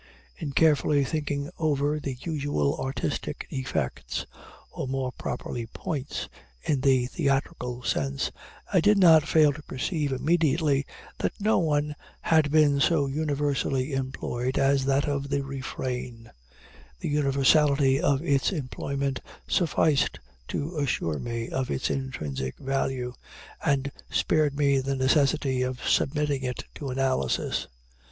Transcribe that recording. In carefully thinking over all the usual artistic effects or more properly points, in the theatrical sense I did not fail to perceive immediately that no one had been so universally employed as that of the refrain. The universality of its employment sufficed to assure me of its intrinsic value, and spared me the necessity of submitting it to analysis.